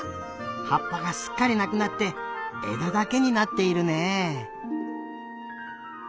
はっぱがすっかりなくなってえだだけになっているね。